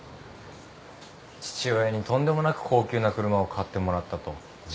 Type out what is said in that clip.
父親にとんでもなく高級な車を買ってもらったと自慢してました。